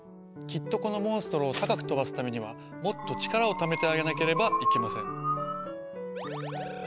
きっとこのモンストロを高く飛ばすためにはもっと力をためてあげなければいけません。